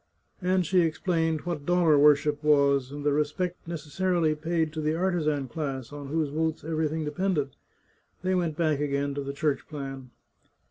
And she explained what dollar worship was, and the respect necessarily paid to the artisan class, on whose votes every thing depended. They went back again to the Church plan.